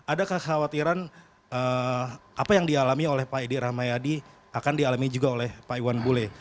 ada kekhawatiran apa yang dialami oleh pak edi rahmayadi akan dialami juga oleh pak iwan bule